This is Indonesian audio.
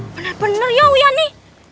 bener bener ya wiani